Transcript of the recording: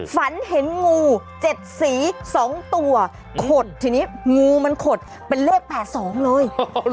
ฝันเห็นงู๗สี๒ตัวขดทีนี้งูมันขดเป็นเลข๘๒เลย